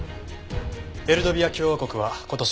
エルドビア共和国は今年